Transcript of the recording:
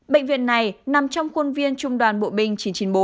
bệnh viện này nằm trong khuôn viên trung đoàn bộ binh chín trăm chín mươi bốn